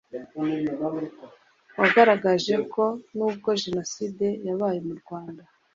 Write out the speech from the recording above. wagaragaje ko nubwo jenoside yabaye mu Rwanda